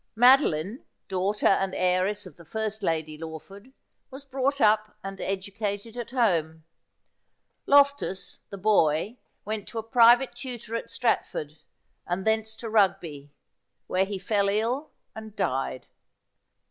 Madoline, daughter and heiress of the first Lady Lawford, was brought up and educated at home. Loftus, the boy, went to a private tutor at Stratford, and thence to Rugby, where he fell ill and died.